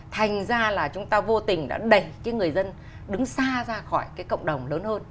thành ra là chúng ta vô tình đã đẩy cái người dân đứng xa ra khỏi cái cộng đồng lớn hơn